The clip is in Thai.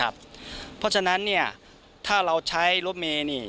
เพราะฉะนั้นถ้าเราใช้รถเมย์นี่